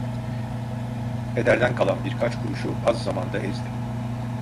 Pederden kalan birkaç kuruşu az zamanda ezdim.